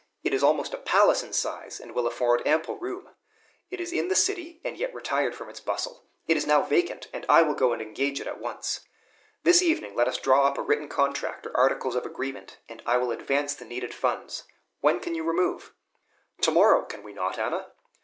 It is almost a palace in size, and will afford ample room; is in the city, and yet retired from its bustle. It is now vacant, and I will go and engage it at once. This evening let us draw up a written contract, or articles of agreement, and I will advance the needed funds. When can you remove?" "To morrow, can we not, Anna?"